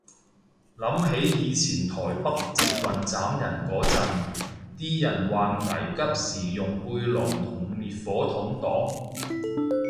諗起以前台北捷運斬人嗰陣，啲人話危急時用背囊同滅火筒擋